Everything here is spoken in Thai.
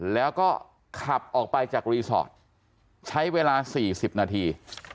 แล้วก็ขับออกไปจากรีสอร์ทใช้เวลา๔๐นาที